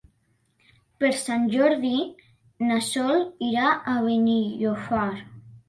Per Sant Jordi na Sol irà a Benijòfar.